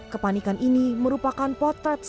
kepanikan ini merupakan potret